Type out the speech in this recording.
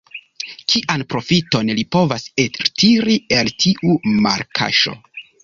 Kian profiton li povas eltiri el tiu malkaŝo?